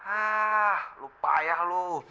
ah lupa ayah lo